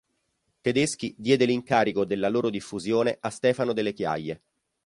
Tedeschi diede l'incarico della loro diffusione a Stefano Delle Chiaie.